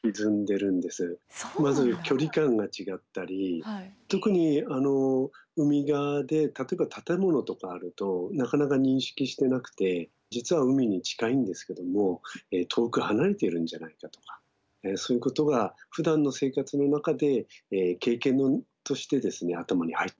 まず距離感が違ったり特に海側で例えば建物とかあるとなかなか認識してなくて実は海に近いんですけども遠く離れているんじゃないかとかそういうことがふだんの生活の中で経験として頭に入ってるんです。